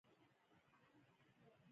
زدهکړه د عقل او فکر پراختیا بنسټ دی.